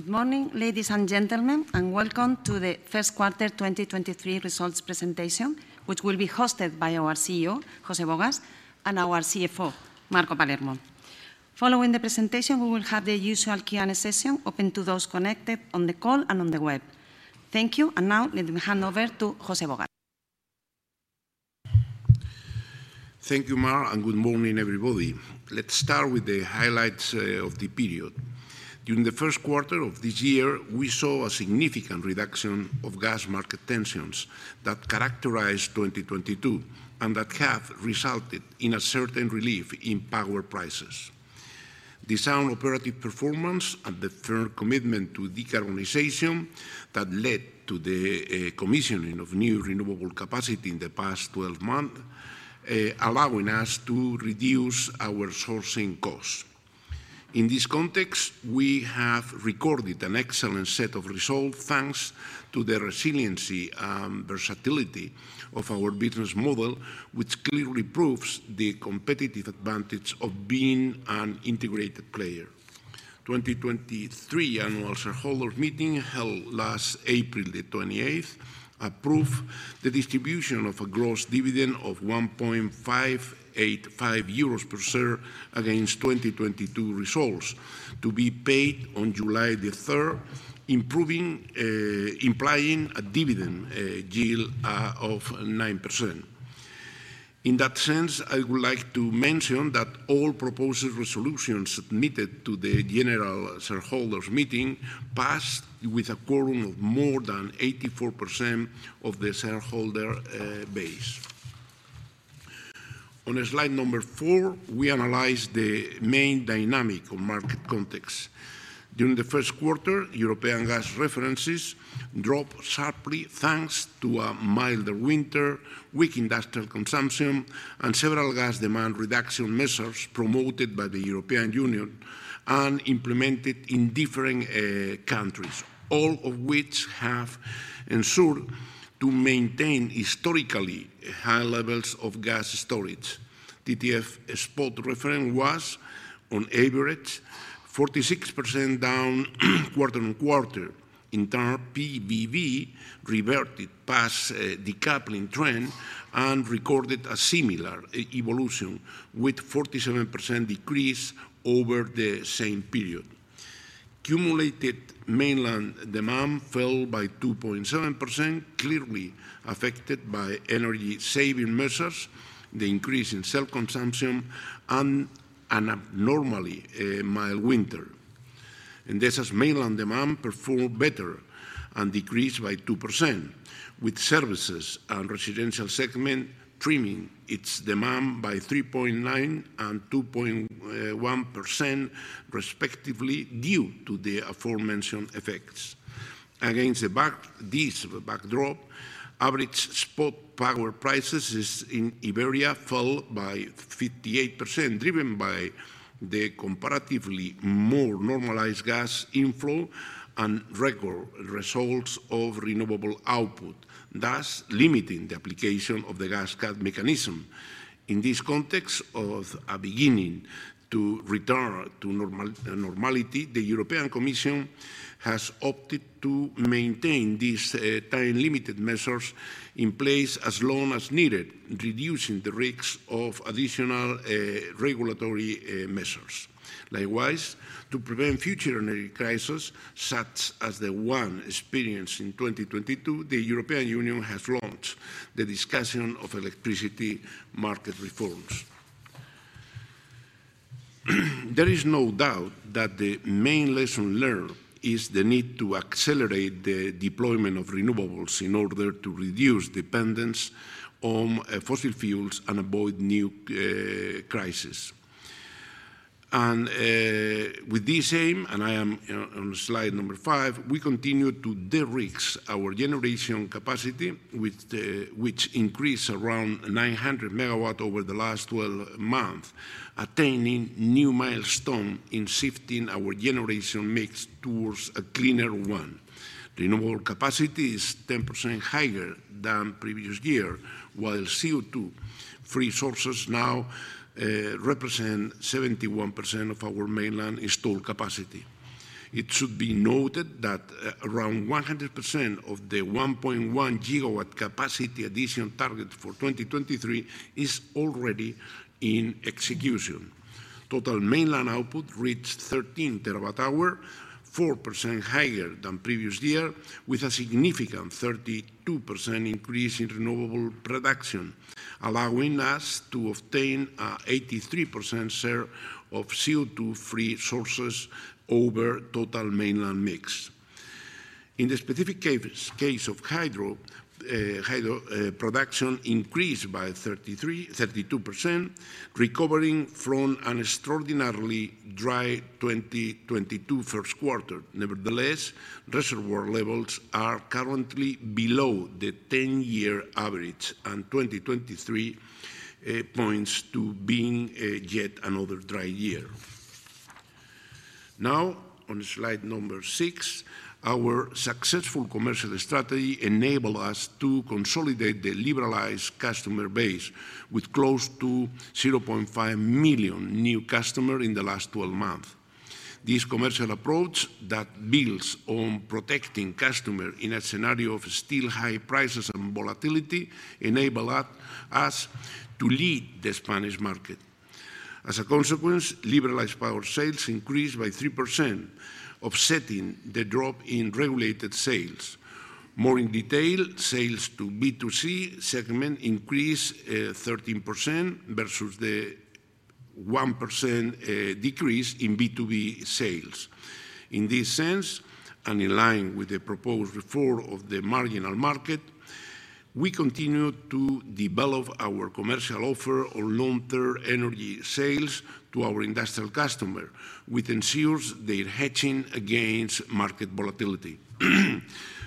Good morning, ladies and gentlemen, and welcome to the first quarter 2023 results presentation, which will be hosted by our CEO, José Bogas, and our CFO, Marco Palermo. Following the presentation, we will have the usual Q&A session open to those connected on the call and on the web. Thank you, and now let me hand over to José Bogas. Thank you, Mar, and good morning, everybody. Let's start with the highlights of the period. During the first quarter of this year, we saw a significant reduction of gas market tensions that characterized 2022 and that have resulted in a certain relief in power prices. The sound operative performance and the firm commitment to decarbonization that led to the commissioning of new renewable capacity in the past 12 months, allowing us to reduce our sourcing costs. In this context, we have recorded an excellent set of results thanks to the resiliency and versatility of our business model, which clearly proves the competitive advantage of being an integrated player. 2023 Annual Shareholders' Meeting, held last April 28th, approved the distribution of a gross dividend of 1.585 euros per share against 2022 results to be paid on July 3rd, implying a dividend yield of 9%. In that sense, I would like to mention that all proposed resolutions submitted to the general shareholders' meeting passed with a quorum of more than 84% of the shareholder base. On slide number four, we analyze the main dynamic of market context. During the first quarter, European gas references dropped sharply thanks to a milder winter, weak industrial consumption, and several gas demand reduction measures promoted by the European Union and implemented in different countries, all of which have ensured to maintain historically high levels of gas storage. TTF spot reference was, on average, 46% down quarter-on-quarter. In turn, PBV reverted past a decoupling trend and recorded a similar evolution with 47% decrease over the same period. Accumulated mainland demand fell by 2.7%, clearly affected by energy-saving measures, the increase in self-consumption, and an abnormally mild winter. Endesa's mainland demand performed better and decreased by 2%, with services and residential segment trimming its demand by 3.9% and 2.1% respectively, due to the aforementioned effects. Against this backdrop, average spot power prices is in Iberia fell by 58%, driven by the comparatively more normalized gas inflow and record results of renewable output, thus limiting the application of the gas cap mechanism. In this context of a beginning to return to normality, the European Commission has opted to maintain these time-limited measures in place as long as needed, reducing the risk of additional regulatory measures. Likewise, to prevent future energy crisis, such as the one experienced in 2022, the European Union has launched the discussion of electricity market reforms. There is no doubt that the main lesson learned is the need to accelerate the deployment of renewables in order to reduce dependence on fossil fuels and avoid new crisis. With this aim, and I am on slide number five, we continue to de-risk our generation capacity with which increased around 900 MW over the last 12 months, attaining new milestone in shifting our generation mix towards a cleaner one. Renewable capacity is 10% higher than previous year, while CO2-free sources now represent 71% of our mainland installed capacity. It should be noted that around 100% of the 1.1 GW capacity addition target for 2023 is already in execution. Total mainland output reached 13 terawatt-hours, 4% higher than previous year, with a significant 32% increase in renewable production, allowing us to obtain a 83% share of CO2-free sources over total mainland mix. In the specific case of hydro production increased by 33%, 32%, recovering from an extraordinarily dry 2022 first quarter. Nevertheless, reservoir levels are currently below the 10-year average, and 2023 points to being yet another dry year. On slide number six. Our successful commercial strategy enable us to consolidate the liberalized customer base with close to 0.5 million new customers in the last 12 months. This commercial approach that builds on protecting customers in a scenario of still high prices and volatility enable us to lead the Spanish market. As a consequence, liberalized power sales increased by 3%, offsetting the drop in regulated sales. More in detail, sales to B2C segment increased 13% versus the 1% decrease in B2B sales. In this sense, and in line with the proposed reform of the marginal market, we continue to develop our commercial offer on long-term energy sales to our industrial customer, which ensures their hedging against market volatility.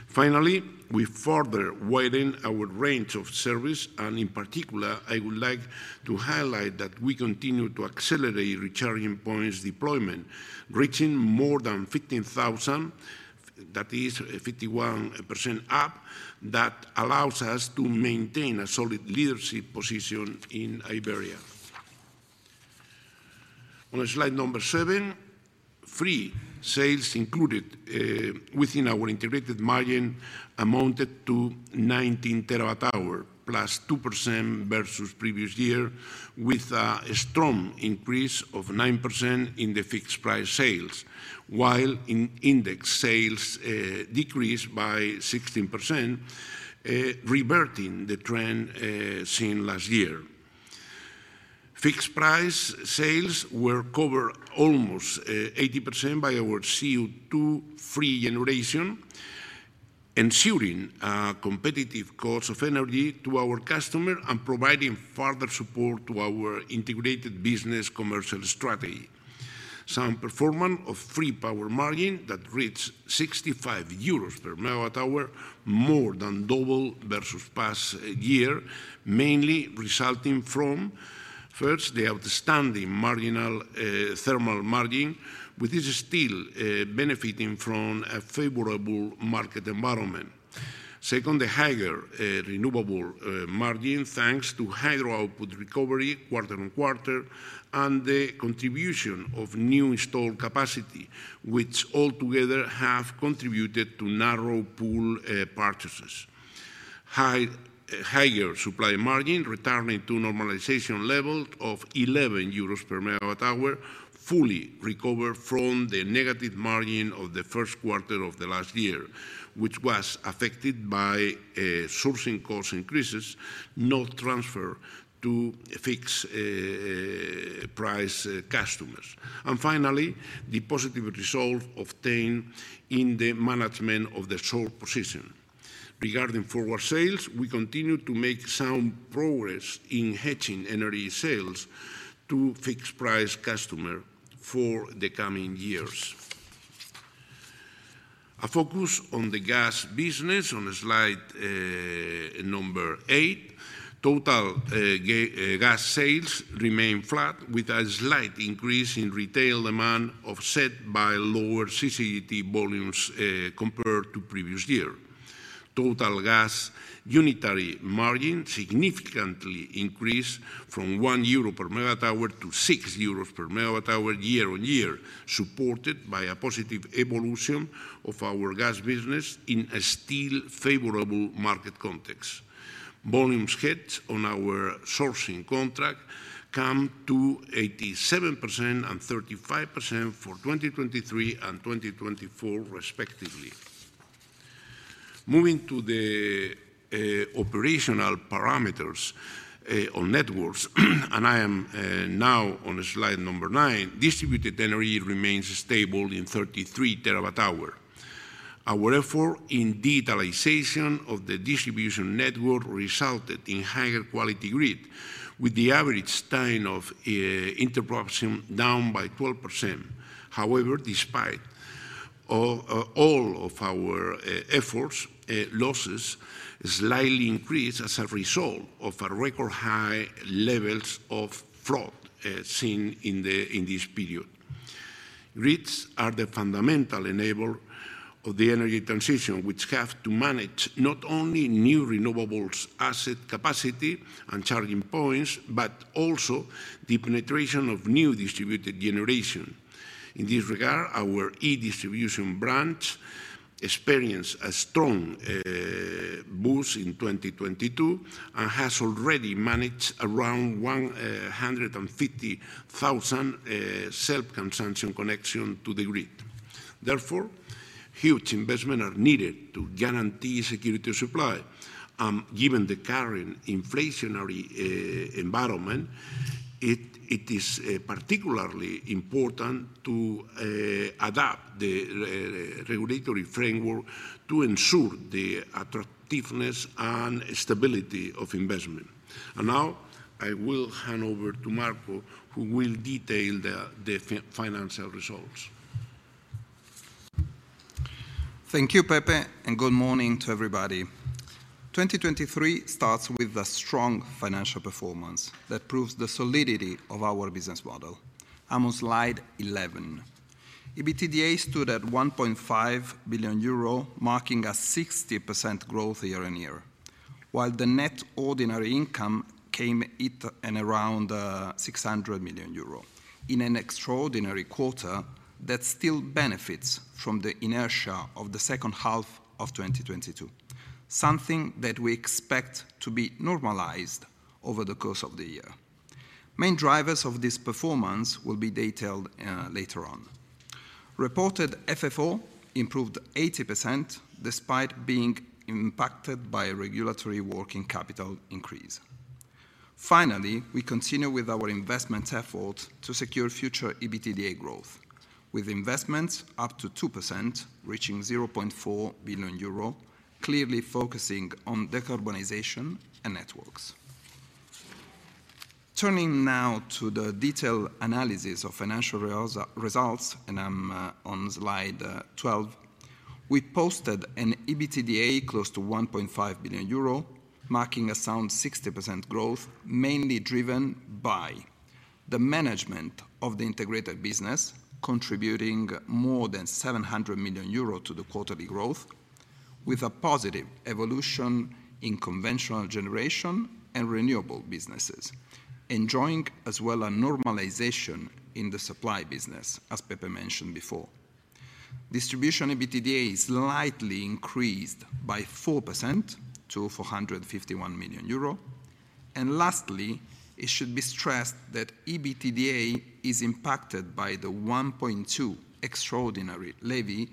Finally, we further widen our range of service, and in particular, I would like to highlight that we continue to accelerate recharging points deployment, reaching more than 15,000, that is 51% up, that allows us to maintain a solid leadership position in Iberia. On slide number seven, free sales included within our integrated margin amounted to 19 terawatt hours, plus 2% versus previous year, with a strong increase of 9% in the fixed-price sales, while in index sales decreased by 16%, reverting the trend seen last year. Fixed-price sales were cover almost 80% by our CO2-free generation, ensuring a competitive cost of energy to our customer and providing further support to our integrated business commercial strategy. Sound performance of free power margin that reached 65 euros per MWh, more than double versus past year, mainly resulting from, first, the outstanding marginal thermal margin, which is still benefiting from a favorable market environment. Second, the higher renewable margin, thanks to hydro output recovery quarter-on-quarter, and the contribution of new installed capacity, which altogether have contributed to narrow pool purchases. Higher supply margin returning to normalization level of 11 euros per MWh, fully recover from the negative margin of the first quarter of the last year, which was affected by sourcing cost increases not transferred to fixed-price customers. Finally, the positive result obtained in the management of the short position. Regarding forward sales, we continue to make sound progress in hedging energy sales to fixed-price customer for the coming years. A focus on the gas business on slide number eight. Total gas sales remain flat, with a slight increase in retail demand offset by lower CCGT volumes compared to previous year. Total gas unitary margin significantly increased from 1 euro per MWh to 6 euros per MWh year on year, supported by a positive evolution of our gas business in a still favorable market context. Volumes hedged on our sourcing contract come to 87% and 35% for 2023 and 2024 respectively. Moving to the operational parameters on networks, and I am now on slide number nine, distributed energy remains stable in 33 terawatt hours. Our effort in digitalization of the distribution network resulted in higher quality grid, with the average time of interruption down by 12%. However, despite all of our efforts, losses slightly increased as a result of a record-high levels of fraud seen in this period. Grids are the fundamental enabler of the energy transition, which have to manage not only new renewables asset capacity and charging points, but also the penetration of new distributed generation. In this regard, our e-distribución branch experienced a strong boost in 2022 and has already managed around 150,000 self-consumption connection to the grid. Therefore, huge investment are needed to guarantee security of supply. Given the current inflationary environment, it is particularly important to adapt the regulatory framework to ensure the attractiveness and stability of investment. Now I will hand over to Marco, who will detail the financial results. Thank you, Pepe, and good morning to everybody. 2023 starts with a strong financial performance that proves the solidity of our business model. I'm on slide 11. EBITDA stood at 1.5 billion euro, marking a 60% growth year-on-year, while the net ordinary income came it in around 600 million euro. In an extraordinary quarter that still benefits from the inertia of the second half of 2022, something that we expect to be normalized over the course of the year. Main drivers of this performance will be detailed later on. Reported FFO improved 80% despite being impacted by a regulatory working capital increase. Finally, we continue with our investment effort to secure future EBITDA growth, with investments up to 2% reaching 0.4 billion euro, clearly focusing on decarbonization and networks. Turning now to the detailed analysis of financial results, I'm on slide 12. We posted an EBITDA close to 1.5 billion euro, marking a sound 60% growth, mainly driven by the management of the integrated business, contributing more than 700 million euro to the quarterly growth, with a positive evolution in conventional generation and renewable businesses, enjoying as well a normalization in the supply business, as Pepe mentioned before. Distribution EBITDA is slightly increased by 4% to 451 million euro. Lastly, it should be stressed that EBITDA is impacted by the 1.2% extraordinary levy,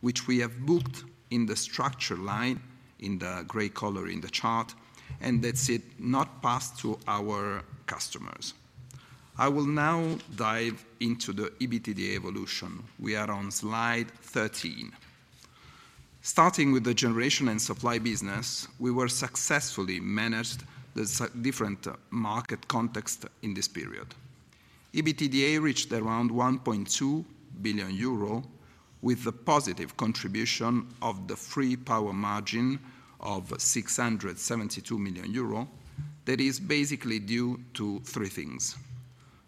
which we have booked in the structure line in the gray color in the chart, and that's it, not passed to our customers. I will now dive into the EBITDA evolution. We are on slide 13. Starting with the generation and supply business, we successfully managed the different market context in this period. EBITDA reached around 1.2 billion euro, with a positive contribution of the free power margin of 672 million euro. That is basically due to three things.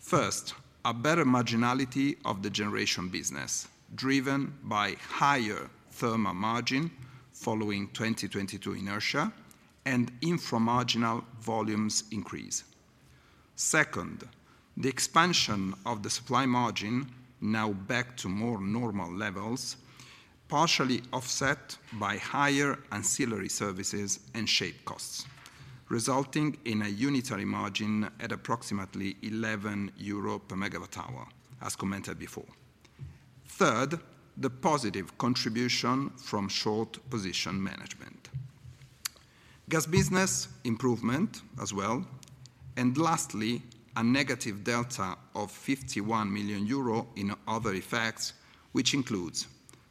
First, a better marginality of the generation business, driven by higher thermal margin following 2022 inertia and infra-marginal volumes increase. Second, the expansion of the supply margin, now back to more normal levels, partially offset by higher ancillary services and shape costs, resulting in a unitary margin at approximately 11 euro per MWh as commented before. Third, the positive contribution from short position management. Gas business improvement as well. Lastly, a negative delta of 51 million euro in other effects, which includes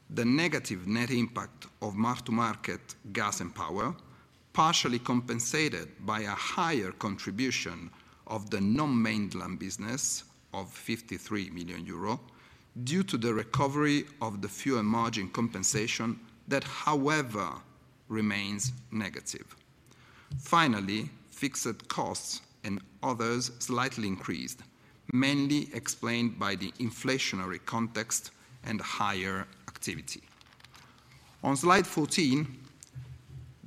the negative net impact of mark-to-market gas and power, partially compensated by a higher contribution of the non-mainland business of 53 million euro due to the recovery of the fuel margin compensation, that however remains negative. Fixed costs and others slightly increased, mainly explained by the inflationary context and higher activity. On slide 14,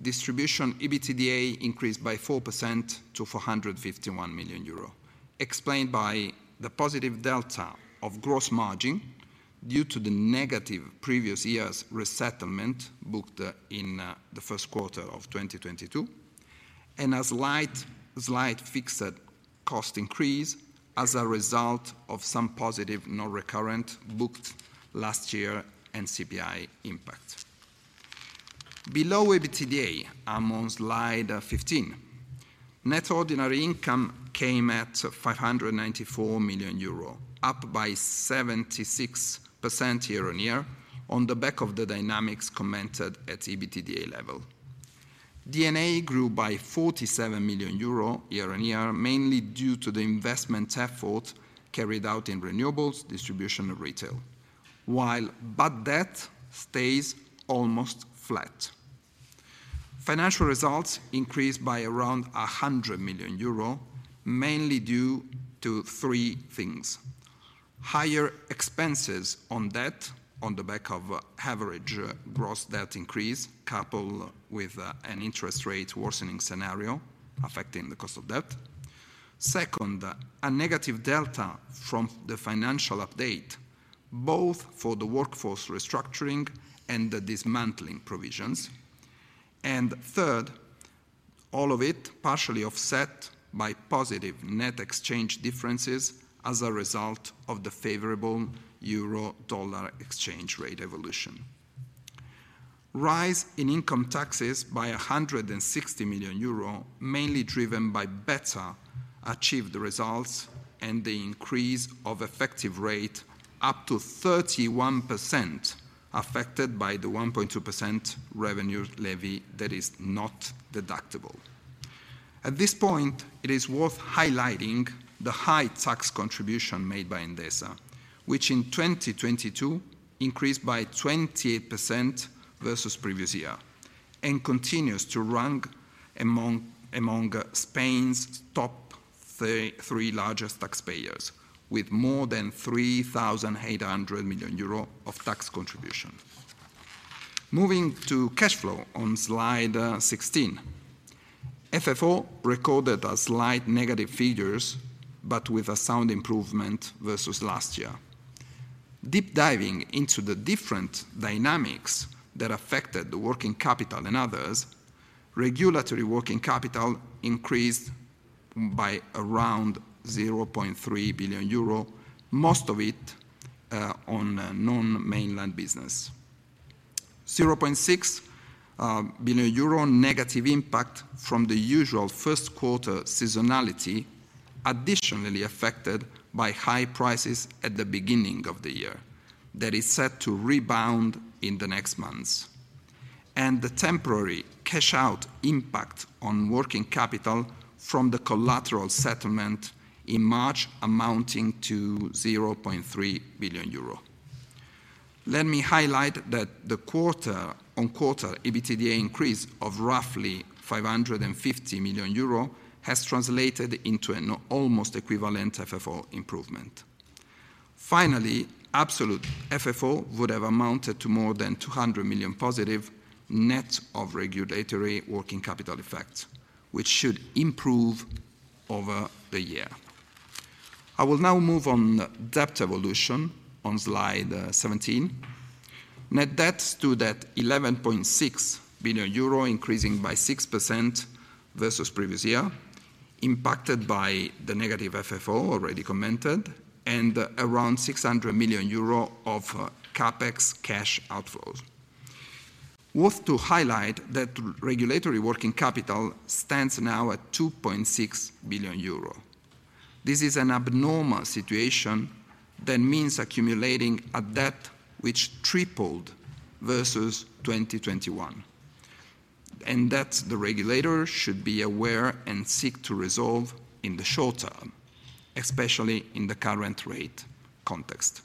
distribution EBITDA increased by 4% to 451 million euro, explained by the positive delta of gross margin due to the negative previous year's resettlement booked in the first quarter of 2022, and a slight fixed cost increase as a result of some positive non-recurrent booked last year and CPI impact. Below EBITDA, I'm on slide 15, net ordinary income came at 594 million euro, up by 76% year-on-year on the back of the dynamics commented at EBITDA level. D&A grew by 47 million euro year-on-year, mainly due to the investment effort carried out in renewables, distribution, and retail. While bad debt stays almost flat. Financial results increased by around 100 million euro, mainly due to three things. Higher expenses on debt on the back of average gross debt increase, coupled with an interest rate worsening scenario affecting the cost of debt. Second, a negative delta from the financial update, both for the workforce restructuring and the dismantling provisions. Third, all of it partially offset by positive net exchange differences as a result of the favorable euro-dollar exchange rate evolution. Rise in income taxes by 160 million euro, mainly driven by better achieved results and the increase of effective rate up to 31% affected by the 1.2% revenue levy that is not deductible. At this point, it is worth highlighting the high tax contribution made by Endesa, which in 2022 increased by 28% versus previous year, and continues to rank among Spain's top three largest taxpayers with more than 3,800 million euro of tax contribution. Moving to cash flow on slide 16. FFO recorded a slight negative figures, but with a sound improvement versus last year. Deep diving into the different dynamics that affected the working capital and others, regulatory working capital increased by around 0.3 billion euro, most of it on non-mainland business. 0.6 billion euro negative impact from the usual first quarter seasonality additionally affected by high prices at the beginning of the year that is set to rebound in the next months. The temporary cash out impact on working capital from the collateral settlement in March amounting to 0.3 billion euro. Let me highlight that the quarter-on-quarter EBITDA increase of roughly 550 million euro has translated into an almost equivalent FFO improvement. Absolute FFO would have amounted to more than 200 million positive net of regulatory working capital effects, which should improve over the year. I will now move on debt evolution on slide 17. Net debt stood at 11.6 billion euro increasing by 6% versus previous year, impacted by the negative FFO already commented, and around 600 million euro of CapEx cash outflows. Worth to highlight that regulatory working capital stands now at 2.6 billion euro. This is an abnormal situation that means accumulating a debt which tripled versus 2021, and that the regulator should be aware and seek to resolve in the short term, especially in the current rate context.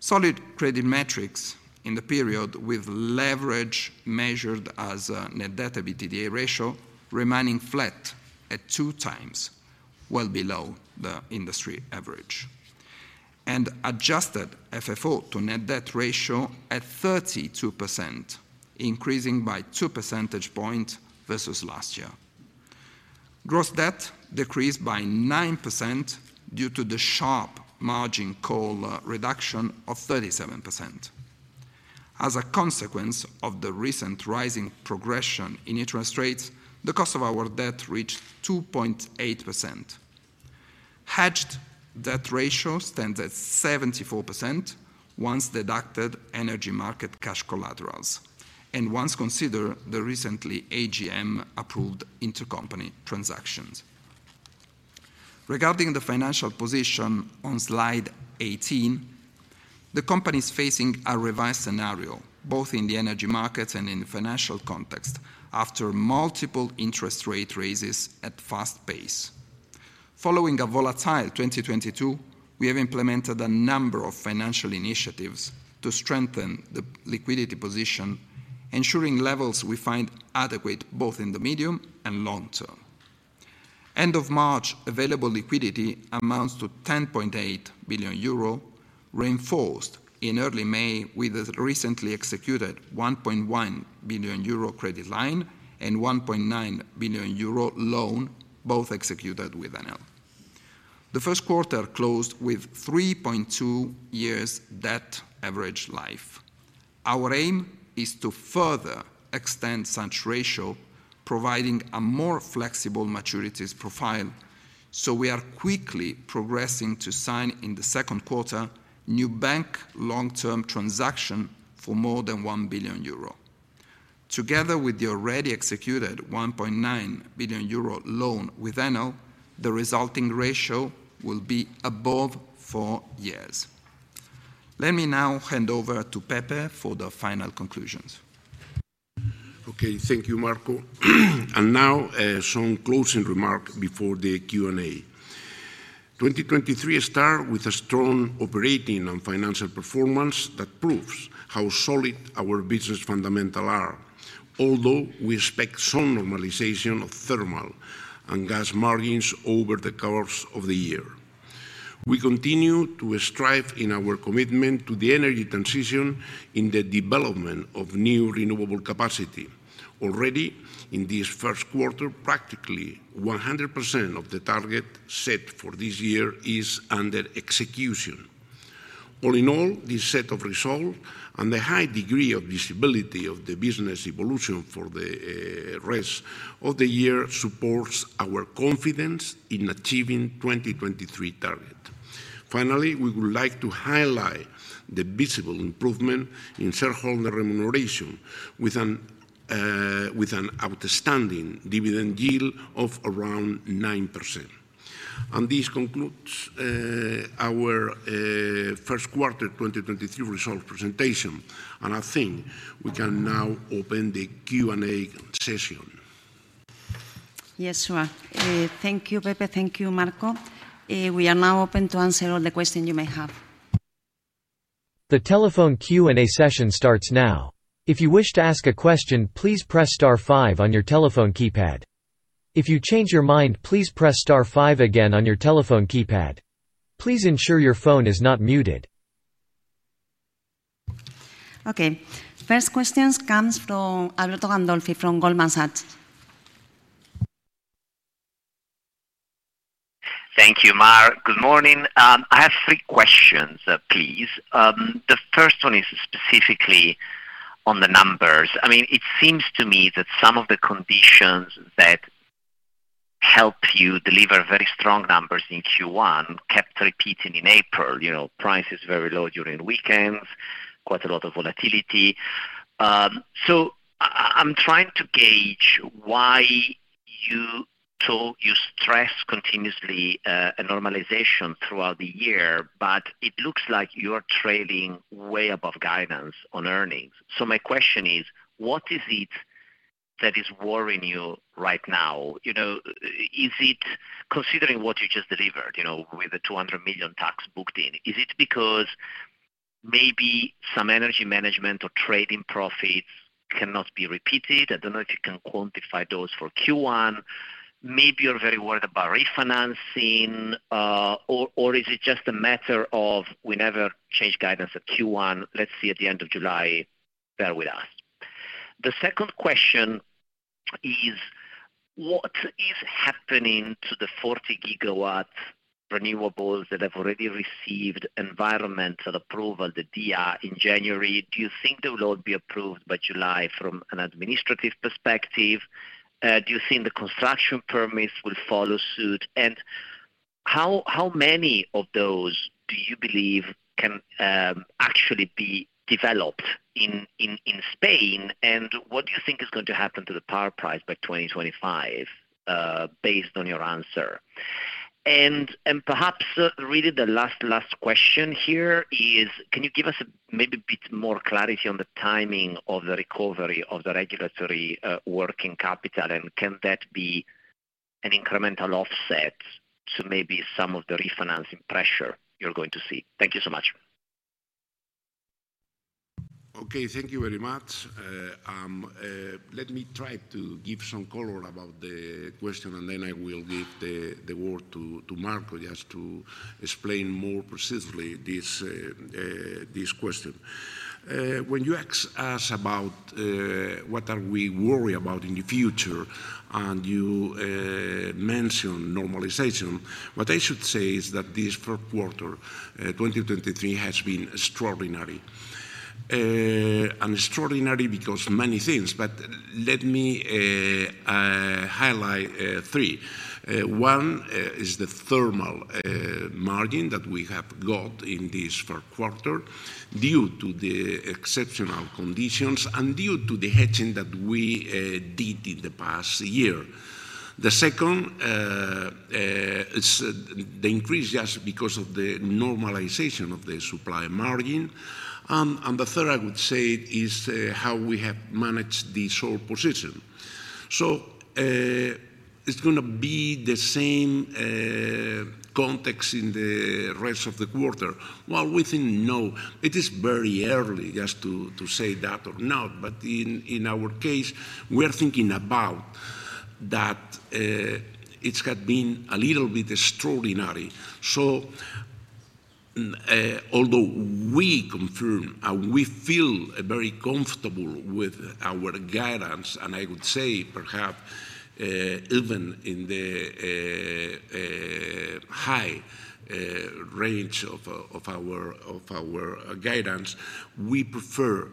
Solid credit metrics in the period with leverage measured as net debt to EBITDA ratio remaining flat at 2x, well below the industry average. Adjusted FFO to net debt ratio at 32%, increasing by 2 percentage points versus last year. Gross debt decreased by 9% due to the sharp margin coal reduction of 37%. As a consequence of the recent rising progression in interest rates, the cost of our debt reached 2.8%. Hedged debt ratio stands at 74% once deducted energy market cash collaterals, and once consider the recently AGM-approved intercompany transactions. Regarding the financial position on slide 18, the company is facing a revised scenario, both in the energy market and in the financial context, after multiple interest rate raises at fast pace. Following a volatile 2022, we have implemented a number of financial initiatives to strengthen the liquidity position, ensuring levels we find adequate both in the medium and long term. End of March, available liquidity amounts to 10.8 billion euro, reinforced in early May with the recently executed 1.1 billion euro credit line and 1.9 billion euro loan, both executed with Enel. The first quarter closed with 3.2-year debt average life. Our aim is to further extend such ratio, providing a more flexible maturities profile. We are quickly progressing to sign in the second quarter new bank long-term transaction for more than 1 billion euro. Together with the already executed 1.9 billion euro loan with Enel, the resulting ratio will be above four years. Let me now hand over to Pepe for the final conclusions. Okay, thank you, Marco. Now, some closing remarks before the Q&A. 2023 starts with a strong operating and financial performance that proves how solid our business fundamental are, although we expect some normalization of thermal and gas margins over the course of the year. We continue to strive in our commitment to the energy transition in the development of new renewable capacity. Already in this first quarter, practically 100% of the target set for this year is under execution. All in all, this set of result and the high degree of visibility of the business evolution for the rest of the year supports our confidence in achieving 2023 target. Finally, we would like to highlight the visible improvement in shareholder remuneration with an outstanding dividend yield of around 9%. This concludes our first quarter 2023 result presentation. I think we can now open the Q&A session. Yes, sure. Thank you, Pepe. Thank you, Marco. We are now open to answer all the questions you may have. The telephone Q&A session starts now. If you wish to ask a question, please press star five on your telephone keypad. If you change your mind, please press star five again on your telephone keypad. Please ensure your phone is not muted. Okay. First questions comes from Alberto Gandolfi from Goldman Sachs. Thank you, Mar. Good morning. I have three questions, please. The first one is specifically on the numbers. I mean, it seems to me that some of the conditions that help you deliver very strong numbers in Q1 kept repeating in April. You know, prices very low during weekends, quite a lot of volatility. I'm trying to gauge why you stress continuously a normalization throughout the year, but it looks like you're trailing way above guidance on earnings. My question is, what is it that is worrying you right now? You know, is it considering what you just delivered, you know, with the 200 million tax booked in? Is it because maybe some energy management or trading profits cannot be repeated? I don't know if you can quantify those for Q1. Maybe you're very worried about refinancing, or is it just a matter of we never change guidance at Q1, let's see at the end of July, bear with us. The second question is, what is happening to the 40 GW renewables that have already received environmental approval, the DIA, in January? Do you think they will all be approved by July from an administrative perspective? Do you think the construction permits will follow suit? How many of those do you believe can actually be developed in Spain? What do you think is going to happen to the power price by 2025, based on your answer? Perhaps, really the last question here is, can you give us maybe a bit more clarity on the timing of the recovery of the regulatory, working capital, and can that be an incremental offset to maybe some of the refinancing pressure you're going to see? Thank you so much. Okay. Thank you very much. Let me try to give some color about the question, and then I will give the word to Marco just to explain more precisely this question. When you ask us about what are we worry about in the future and you mention normalization, what I should say is that this first quarter 2023 has been extraordinary. Extraordinary because many things, but let me highlight three. One is the thermal margin that we have got in this first quarter due to the exceptional conditions and due to the hedging that we did in the past year. The second is the increase just because of the normalization of the supply margin. The third I would say is how we have managed the short position. It's gonna be the same context in the rest of the quarter. Well, we think no. It is very early just to say that or not, but in our case, we are thinking about that it has been a little bit extraordinary. Although we confirm and we feel very comfortable with our guidance, and I would say perhaps even in the high range of our guidance, we prefer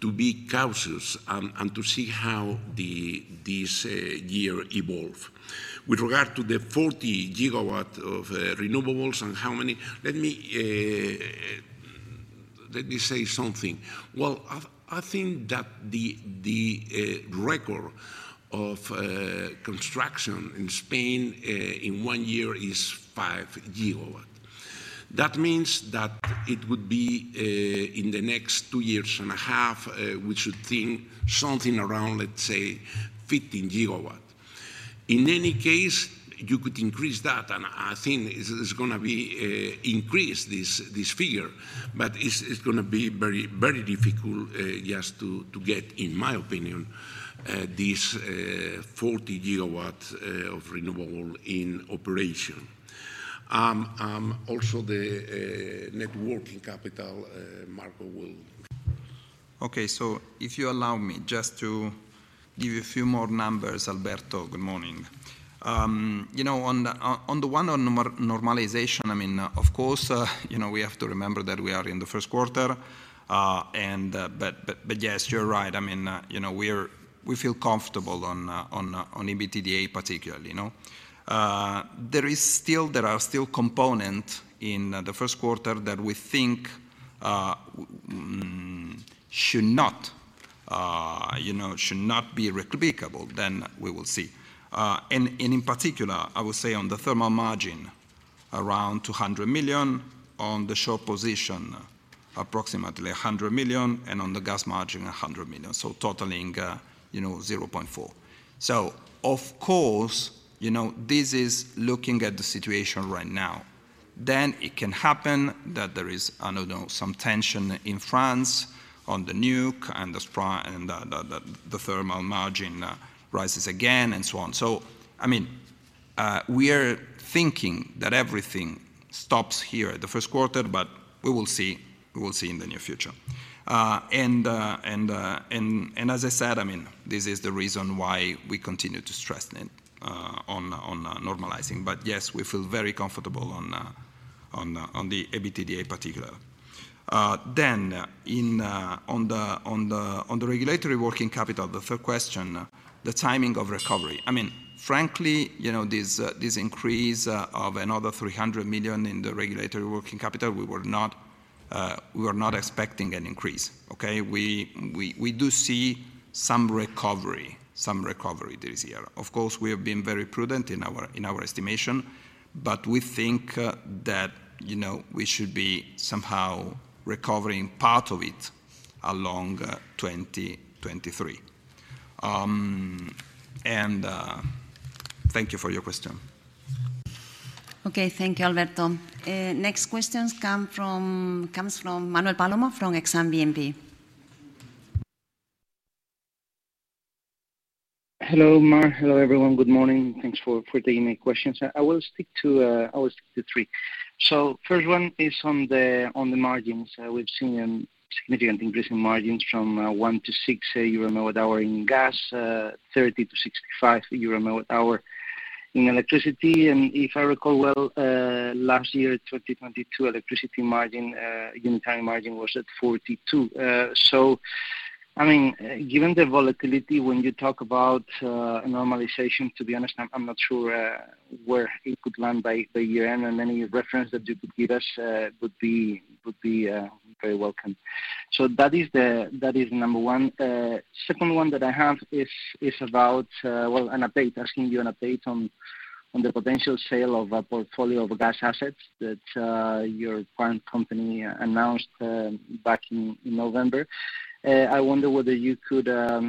to be cautious and to see how this year evolve. With regard to the 40 GW of renewables and how many, let me say something. Well, I think that the record of construction in Spain, in one year is 5 GW. That means that it would be in the next two years and a half, we should think something around, let's say, 15 GW. In any case, you could increase that, and I think it's gonna be increase this figure, but it's gonna be very, very difficult just to get, in my opinion, this 40 GW of renewable in operation. Also the net working capital, Marco. If you allow me just to give a few more numbers, Alberto. Good morning. You know, on the one on normalization, I mean, of course, you know, we have to remember that we are in the first quarter. But yes, you're right. I mean, you know, we feel comfortable on EBITDA particularly, you know. There are still component in the first quarter that we think, Should not, you know, should not be replicable, we will see. In particular, I would say on the thermal margin around 200 million, on the short position approximately 100 million, and on the gas margin 100 million, so totaling, you know, 0.4 million. Of course, you know, this is looking at the situation right now. It can happen that there is, I don't know, some tension in France on the nuke and the thermal margin rises again, and so on. I mean, we are thinking that everything stops here at the first quarter, but we will see, we will see in the near future. As I said, I mean, this is the reason why we continue to stress it on normalizing. Yes, we feel very comfortable on the EBITDA particular. On the regulatory working capital, the third question, the timing of recovery. I mean, frankly, you know, this increase of another 300 million in the regulatory working capital, we were not expecting an increase, okay? We do see some recovery this year. Of course, we have been very prudent in our estimation, but we think that, you know, we should be somehow recovering part of it along 2023. Thank you for your question. Okay. Thank you, Alberto. next questions comes from Manuel Palomo from Exane BNP. Hello, Mar. Hello, everyone. Good morning. Thanks for taking my questions. I will stick to three. First one is on the margins. We've seen a significant increase in margins from 1 per MWh-EUR 6 per MWh in gas, 30 per MWh-EUR 65 per MWh in electricity. If I recall well, last year, 2022, electricity margin, unit time margin was at 42. I mean, given the volatility, when you talk about a normalization, to be honest, I'm not sure where it could land by year-end, and any reference that you could give us would be very welcome. That is number one. Second one that I have is about, well, an update. Asking you an update on the potential sale of a portfolio of gas assets that your parent company announced back in November. I wonder whether you could, at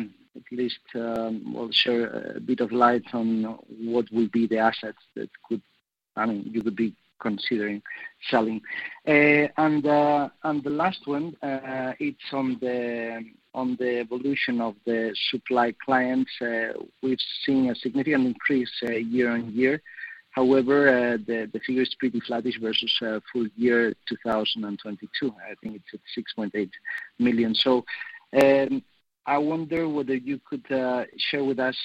least, well, share a bit of light on what will be the assets that could... I mean, you would be considering selling. The last one, it's on the, on the evolution of the supply clients. We've seen a significant increase year on year. However, the figure is pretty flattish versus full year 2022. I think it's at 6.8 million. I wonder whether you could share with us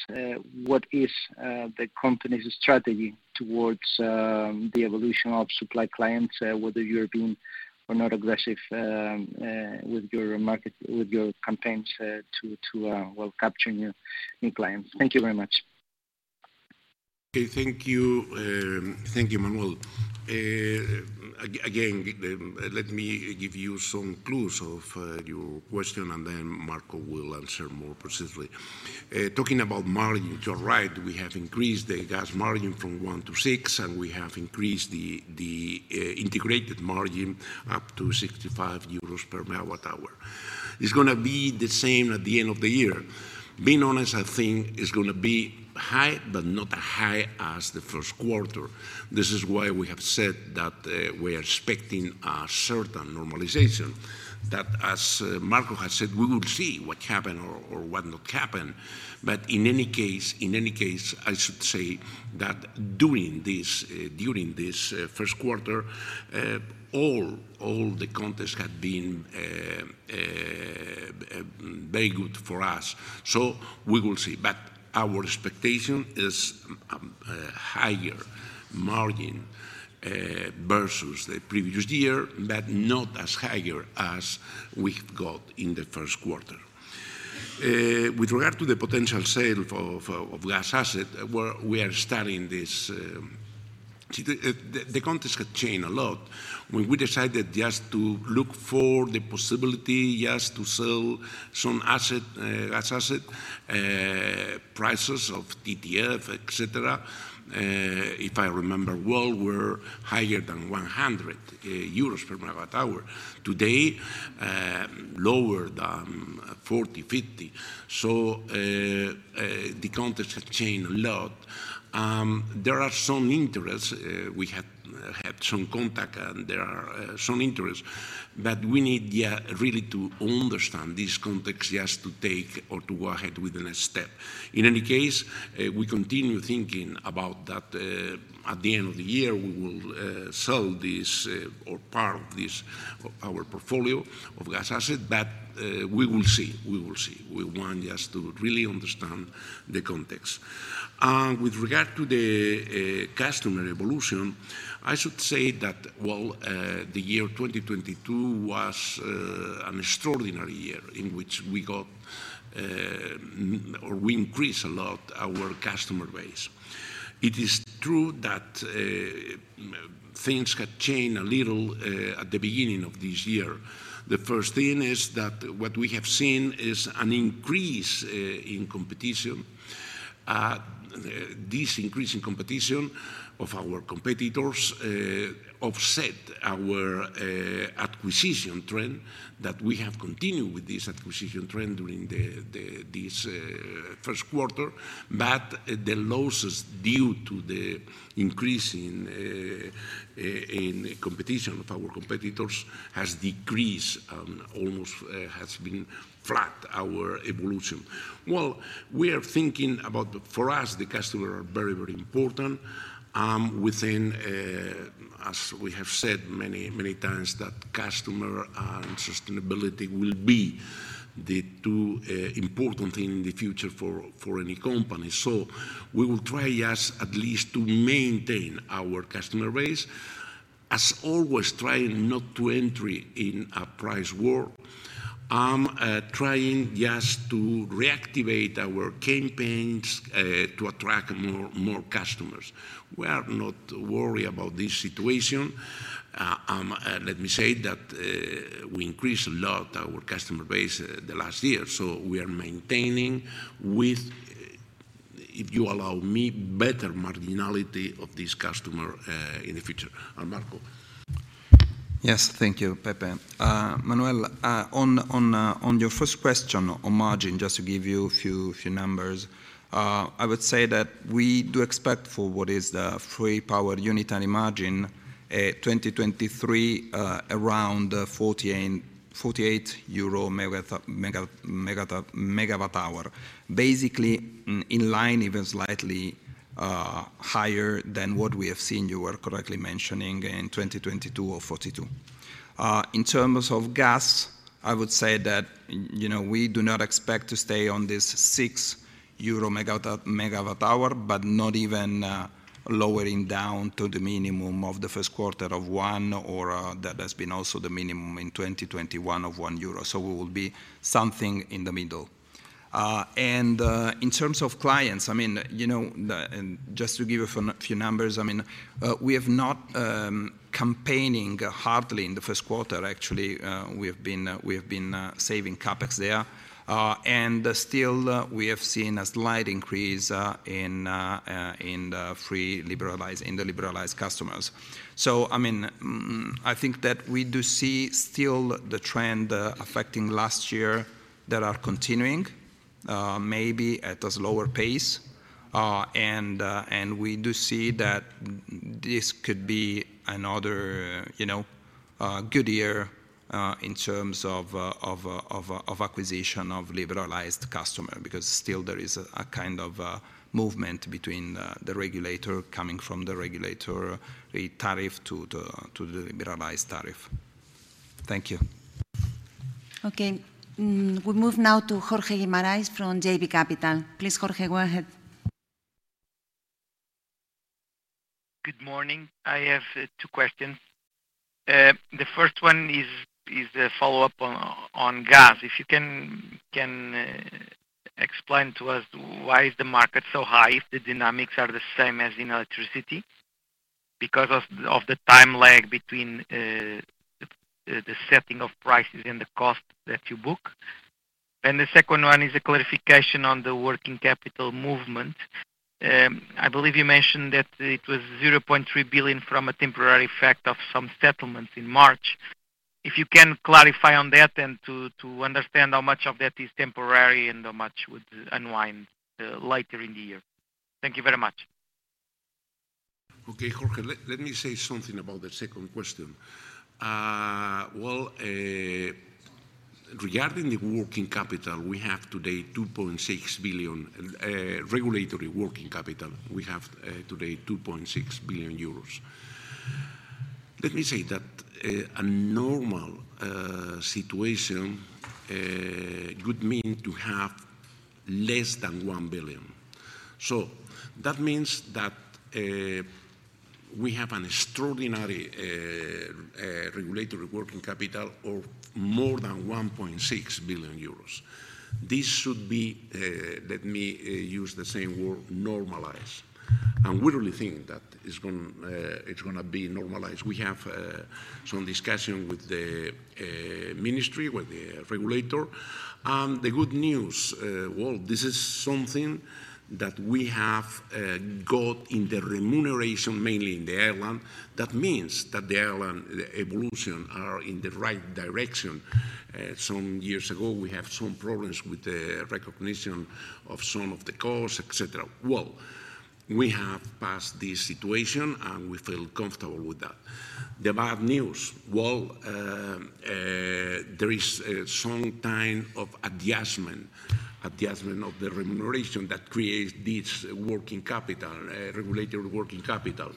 what is the company's strategy towards the evolution of supply clients, whether you are being or not aggressive with your market, with your campaigns to well, capturing new clients. Thank you very much. Okay. Thank you. Thank you, Manuel. Again, let me give you some clues of your question, and then Marco will answer more precisely. Talking about margin, you're right, we have increased the gas margin from 1 to 6, and we have increased the integrated margin up to 65 euros per MWh. It's gonna be the same at the end of the year. Being honest, I think it's gonna be high, but not as high as the first quarter. This is why we have said that we are expecting a certain normalization. As Marco has said, we will see what happen or what not happen. In any case, I should say that during this first quarter, all the context had been very good for us. We will see. Our expectation is higher margin versus the previous year, but not as higher as we got in the first quarter. With regard to the potential sale of gas asset, we are studying this. The context has changed a lot. When we decided just to look for the possibility, yes, to sell some asset, gas asset, prices of TTF, et cetera, if I remember well, were higher than 100 euros per MWh. Today, lower than 40 to 50 per MWh. The context has changed a lot. There are some interests. We had some contact, and there are some interests, but we need, yeah, really to understand this context just to take or to go ahead with the next step. In any case, we continue thinking about that, at the end of the year, we will sell this, or part of this, our portfolio of gas asset. We will see. We will see. We want just to really understand the context. With regard to the customer evolution, I should say that, well, the year 2022 was an extraordinary year in which we got We increase a lot our customer base. It is true that things have changed a little at the beginning of this year. The first thing is that what we have seen is an increase in competition. This increase in competition of our competitors offset our acquisition trend, that we have continued with this acquisition trend during this first quarter. The losses due to the increase in competition of our competitors has decreased, almost has been flat our evolution. We are thinking about, for us, the customer are very, very important, within, as we have said many, many times, that customer and sustainability will be the two important thing in the future for any company. We will try, yes, at least to maintain our customer base. As always, trying not to entry in a price war. Trying just to reactivate our campaigns to attract more customers. We are not worried about this situation. Let me say that we increased a lot our customer base the last year, so we are maintaining with, if you allow me, better marginality of this customer in the future. Marco? Yes. Thank you, Pepe. Manuel, on your first question on margin, just to give you a few numbers, I would say that we do expect for what is the free power unit and margin, 2023, around EUR 48 per MWh. Basically in line, even slightly higher than what we have seen, you were correctly mentioning, in 2022 of 42 per MWh. In terms of gas, I would say that, you know, we do not expect to stay on this 6 euro per MWh, but not even lowering down to the minimum of the first quarter of 1 or that has been also the minimum in 2021 of 1 euro. We will be something in the middle. In terms of clients, I mean, you know, the... Just to give a few numbers, I mean, we have not campaigning hardly in the first quarter. Actually, we have been saving CapEx there. Still, we have seen a slight increase in the liberalized customers. I mean, I think that we do see still the trend affecting last year that are continuing maybe at a slower pace. We do see that this could be another, you know, good year in terms of of of of acquisition of liberalized customer, because still there is a kind of a movement between the regulator, coming from the regulator rate tariff to the liberalized tariff. Thank you. Okay. We move now to Jorge Guimarães from JB Capital. Please, Jorge, go ahead. Good morning. I have two questions. The first one is a follow-up on gas. If you can explain to us why is the market so high if the dynamics are the same as in electricity because of the time lag between the setting of prices and the cost that you book. The second one is a clarification on the working capital movement. I believe you mentioned that it was 0.3 billion from a temporary effect of some settlements in March. If you can clarify on that and to understand how much of that is temporary and how much would unwind later in the year. Thank you very much. Okay, Jorge. Let me say something about the second question. Well, regarding the working capital, we have today 2.6 billion regulatory working capital. We have today 2.6 billion euros. Let me say that a normal situation would mean to have less than 1 billion. That means that we have an extraordinary regulatory working capital of more than 1.6 billion euros. This should be, let me use the same word, normalized. We really think that it's gonna be normalized. We have some discussion with the ministry, with the regulator. The good news, well, this is something that we have got in the remuneration, mainly in Iberia. That means that Iberia, the evolution are in the right direction. Some years ago, we have some problems with the recognition of some of the costs, et cetera. Well, we have passed this situation, and we feel comfortable with that. The bad news, well, there is some kind of adjustment of the remuneration that creates this working capital, regulatory working capital.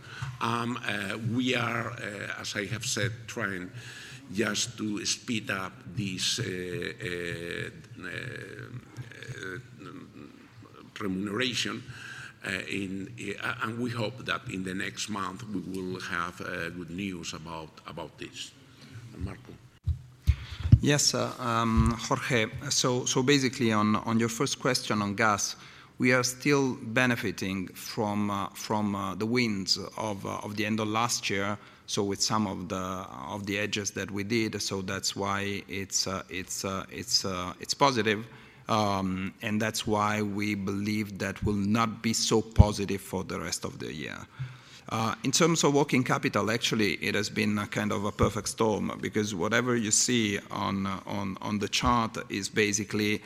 We are, as I have said, trying just to speed up this remuneration in, and we hope that in the next month, we will have good news about this. Marco. Yes, Jorge. Basically on your first question on gas, we are still benefiting from the winds of the end of last year. With some of the edges that we did, that's why it's positive. That's why we believe that will not be so positive for the rest of the year. In terms of working capital, actually, it has been a kind of a perfect storm because whatever you see on the chart is basically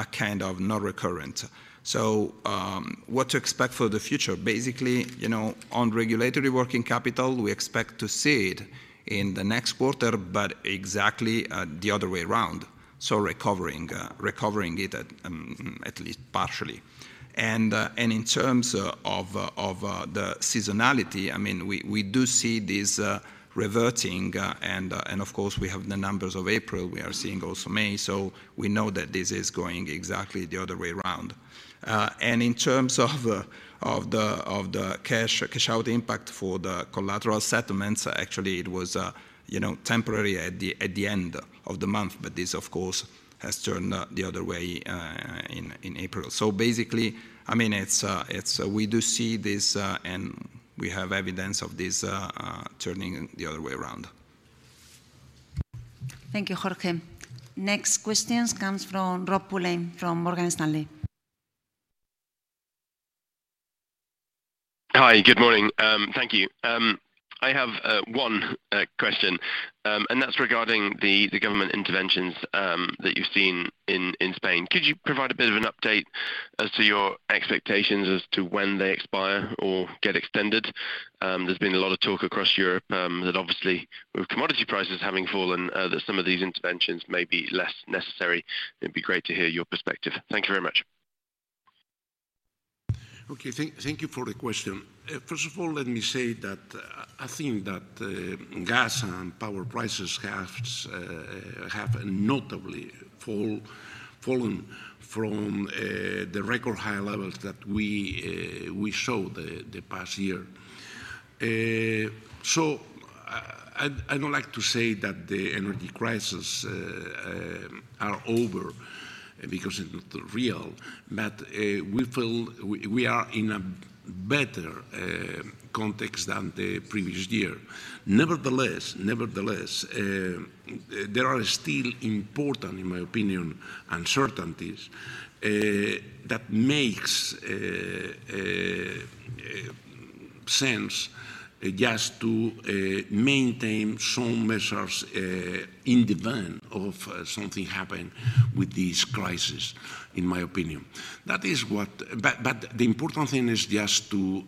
a kind of non-recurrent. What to expect for the future? Basically, you know, on regulatory working capital, we expect to see it in the next quarter, but exactly the other way around. Recovering it at least partially. In terms of the seasonality, I mean, we do see this reverting, and of course we have the numbers of April, we are seeing also May, so we know that this is going exactly the other way around. In terms of the cash-out impact for the collateral settlements, actually, it was, you know, temporary at the end of the month. This of course has turned the other way in April. Basically, I mean, it's, we do see this, and we have evidence of this turning the other way around. Thank you, Jorge. Next questions comes from Rob Pulleyn from Morgan Stanley. Hi. Good morning. Thank you. I have one question, and that's regarding the government interventions that you've seen in Spain. Could you provide a bit of an update as to your expectations as to when they expire or get extended? There's been a lot of talk across Europe that obviously with commodity prices having fallen, that some of these interventions may be less necessary. It'd be great to hear your perspective. Thank you very much. Okay. Thank you for the question. First of all, let me say that I think that gas and power prices have notably fallen from the record high levels that we saw the past year. I don't like to say that the energy crisis are over because it's not real, but we feel we are in a better context than the previous year. Nevertheless, there are still important, in my opinion, uncertainties that makes a sense just to maintain some measures in the event of something happen with this crisis, in my opinion. The important thing is just to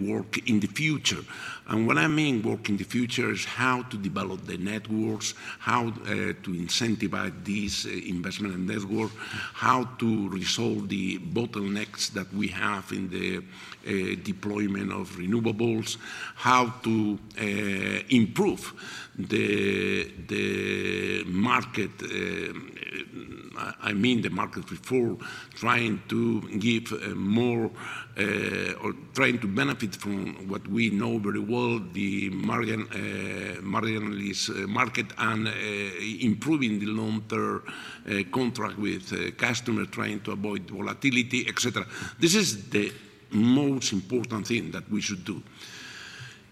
work in the future. What I mean work in the future is how to develop the networks, how to incentivize this investment in network, how to resolve the bottlenecks that we have in the deployment of renewables, how to improve the market, I mean, the market before trying to give more or trying to benefit from what we know very well, the margin, marginalized market and improving the long-term contract with customer, trying to avoid volatility, et cetera. This is the most important thing that we should do.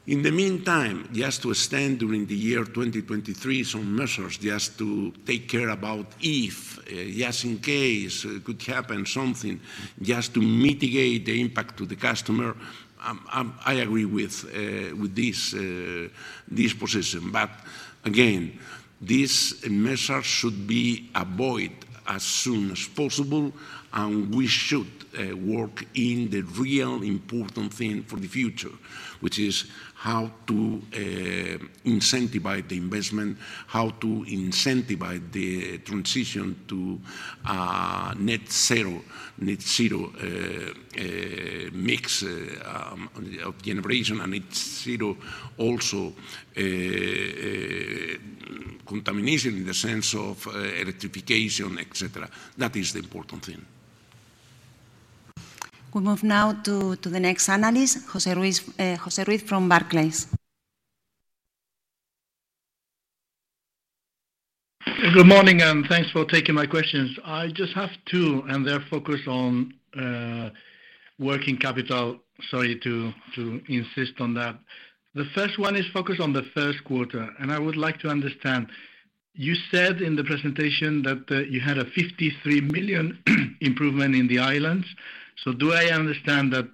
In the meantime, just to extend during the year 2023 some measures just to take care about if, just in case could happen something, just to mitigate the impact to the customer, I agree with this position, but again, this measure should be avoid as soon as possible, and we should work in the real important thing for the future, which is how to incentivize the investment, how to incentivize the transition to net zero mix of generation and net zero also contamination in the sense of electrification, et cetera. That is the important thing. We move now to the next analyst, José Ruiz from Barclays. Good morning. Thanks for taking my questions. I just have two. They're focused on working capital. Sorry to insist on that. The first one is focused on the first quarter. I would like to understand. You said in the presentation that you had a 53 million improvement in the islands. Do I understand that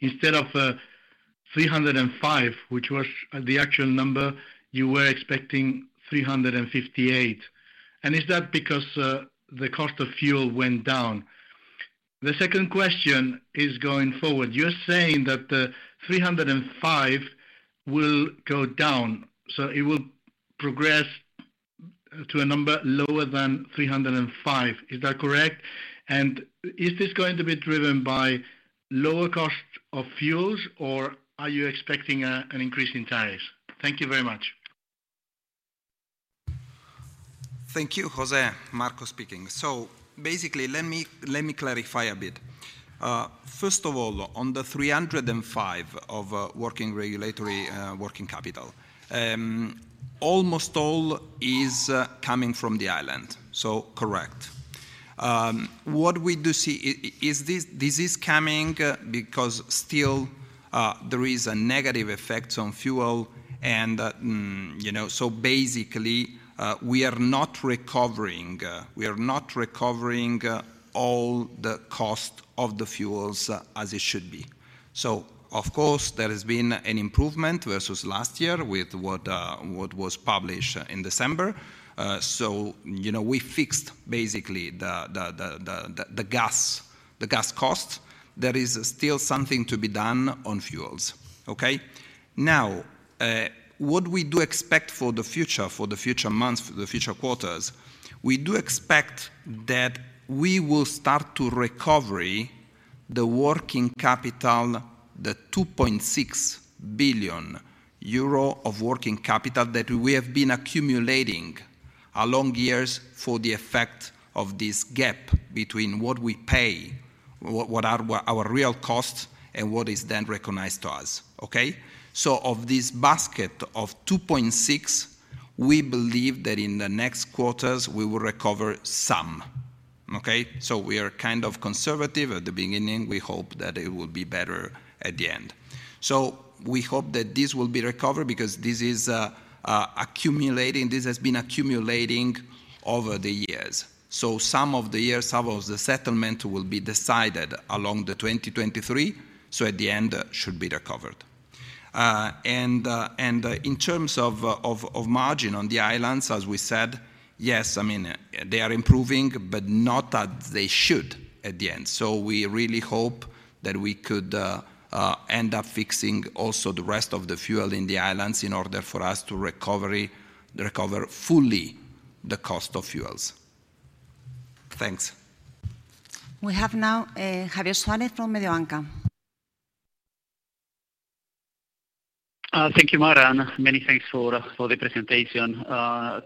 instead of 305 million, which was the actual number, you were expecting 358 million? Is that because the cost of fuel went down? The second question is going forward. You're saying that 305 million will go down, so it will progress to a number lower than 305 million. Is that correct? Is this going to be driven by lower cost of fuels, or are you expecting an increase in tariffs? Thank you very much. Thank you, José. Marco speaking. Basically, let me clarify a bit. First of all, on the 305 million of working regulatory, working capital, almost all is coming from the island, correct. What we do see is this is coming because still, there is a negative effects on fuel and, you know, basically, we are not recovering, we are not recovering, all the cost of the fuels as it should be. Of course, there has been an improvement versus last year with what was published in December. You know, we fixed basically the gas cost. There is still something to be done on fuels. Okay? Now, what we do expect for the future, for the future months, for the future quarters, we do expect that we will start to recovery the working capital, the 2.6 billion euro of working capital that we have been accumulating along years for the effect of this gap between what we pay, what are our real costs, and what is then recognized to us. Okay? Of this basket of 2.6 billion, we believe that in the next quarters we will recover some. Okay? We are kind of conservative at the beginning. We hope that it will be better at the end. We hope that this will be recovered because this has been accumulating over the years. Some of the years, some of the settlement will be decided along the 2023, at the end should be recovered. In terms of margin on the islands, as we said, yes, I mean, they are improving, not as they should at the end. We really hope that we could end up fixing also the rest of the fuel in the islands in order for us to recover fully the cost of fuels. Thanks. We have now, Javier Suárez from Mediobanca. Thank you, Mar, and many thanks for the presentation.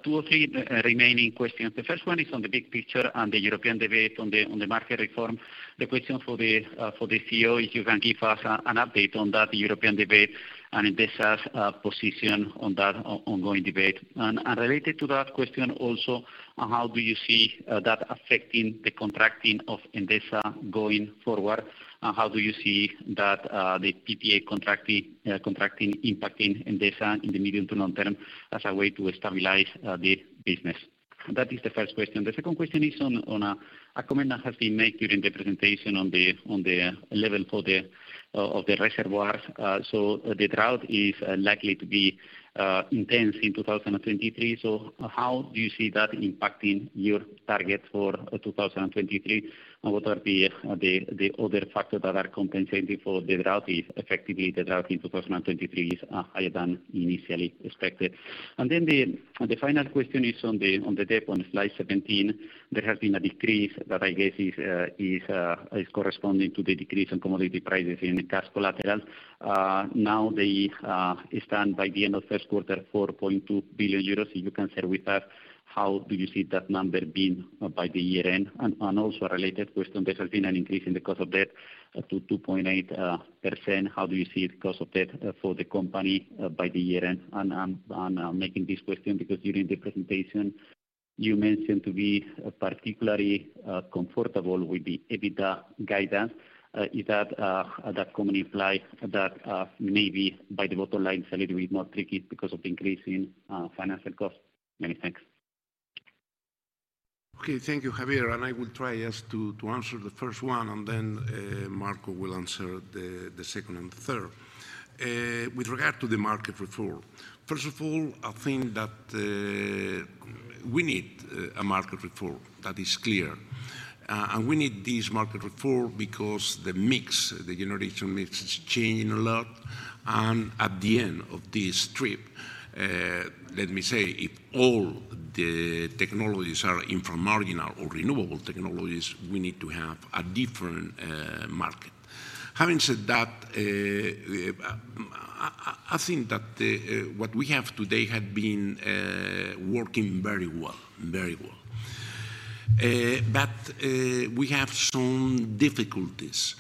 Two or three remaining questions. The first one is on the big picture and the European debate on the market reform. The question for the CEO, if you can give us an update on that European debate and Endesa's position on that ongoing debate. Related to that question also, on how do you see that affecting the contracting of Endesa going forward? How do you see that the PPA contracting impacting Endesa in the medium to long term as a way to stabilize the business? That is the first question. The second question is on a comment that has been made during the presentation on the reservoirs. The drought is likely to be intense in 2023. How do you see that impacting your target for 2023? What are the other factors that are compensating for the drought if effectively the drought in 2023 is higher than initially expected? The final question is on the debt on slide 17, there has been a decrease that I guess is corresponding to the decrease in commodity prices in cash collateral. Now it stand by the end of first quarter, 4.2 billion euros. If you can share with us, how do you see that number being by the year-end? Also a related question, there has been an increase in the cost of debt to 2.8%. How do you see the cost of debt for the company by the year-end? I'm making this question because during the presentation you mentioned to be particularly comfortable with the EBITDA guidance. Is that commonly imply that maybe by the bottom line it's a little bit more tricky because of increasing financial costs? Many thanks. Okay. Thank you, Javier. I will try just to answer the first one, then Marco will answer the second and the third. With regard to the market reform, first of all, I think that we need a market reform. That is clear. We need this market reform because the mix, the generation mix is changing a lot, and at the end of this trip, let me say if all the technologies are infra-marginal or renewable technologies, we need to have a different market. Having said that, I think that what we have today had been working very well. We have some difficulties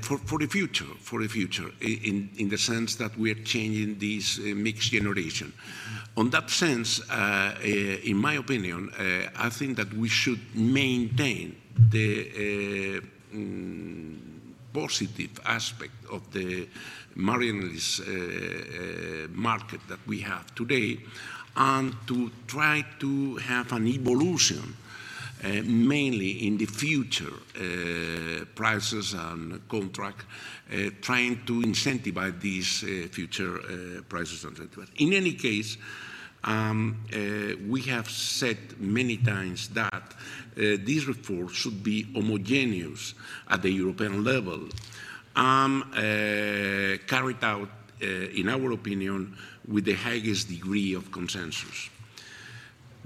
for the future, for the future in the sense that we are changing this mix generation. On that sense, in my opinion, I think that we should maintain the positive aspect of the market that we have today and to try to have an evolution, mainly in the future, prices and contract, trying to incentivize these future prices and so forth. In any case, we have said many times that this reform should be homogeneous at the European level, and carried out in our opinion, with the highest degree of consensus.